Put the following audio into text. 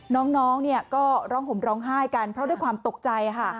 น้องเนี่ยก็ร้องห่มร้องไห้กันเพราะด้วยความตกใจค่ะ